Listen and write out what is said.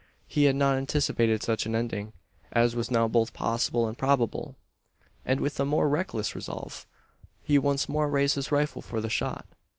He had not anticipated such an ending, as was now both possible and probable; and with a more reckless resolve, he once more raised his rifle for the shot.